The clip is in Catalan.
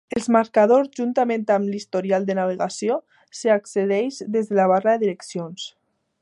Els marcadors, juntament amb l'historial de navegació, s'hi accedeix des de la barra de direccions.